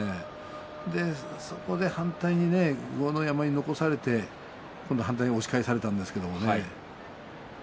そこで反対に豪ノ山に残されて反対に押し返されたんですね。